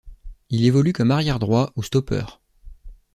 Il évolue comme arrière droit ou stoppeur.